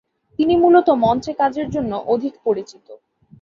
তিনি মূলত মঞ্চে কাজের জন্য অধিক পরিচিত।